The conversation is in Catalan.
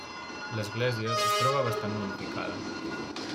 L'església es troba bastant modificada.